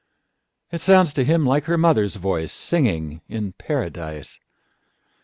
It sounds to him like her mother's voice, Singing in Paradise!